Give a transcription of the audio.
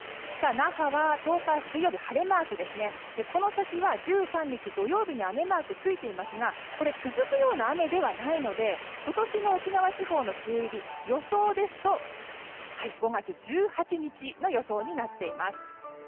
那覇は１０日の水曜日晴れマークこの先は土曜日に雨マークがついていますが続くような雨ではないので今年の沖縄地方の梅雨入り、予想ですと５月１８日の予想になっています。